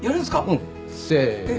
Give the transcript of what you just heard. うんせの。